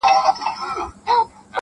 • تل مدام یې تر درنو بارونو لاندي -